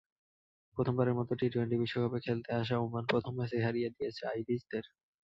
প্রথমবারের মতো টি-টোয়েন্টি বিশ্বকাপে খেলতে আসা ওমান প্রথম ম্যাচেই হারিয়ে দিয়েছে আইরিশদের।